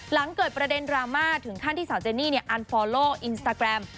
หลังเกิดประเด็นดราม่าถึงขั้นที่สาวเจนี่อันฟอลโลอินสตาแกรม